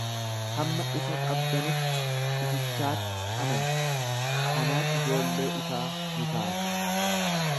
Hamma ifa qabdanitti ifichaatti amana, kanaan ijoollee ifaa ni taatu.